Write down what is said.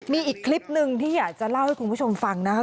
มีอีกคลิปหนึ่งที่อยากจะเล่าให้คุณผู้ชมฟังนะครับ